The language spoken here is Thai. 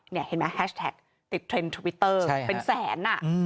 เห็นไหมแฮชแท็กติดเทรนด์ทวิตเตอร์เป็นแสน